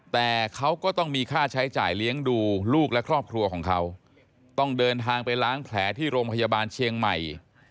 แต่เขาก็ต้องมีค่าใช้จ่ายเลี้ยงดูลูกและครอบครัวของเขาต้องเดินทางไปล้างแผลที่โรงพยาบาลเชียงใหม่